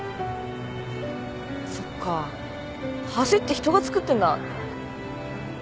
そっか橋って人が造ってんだって。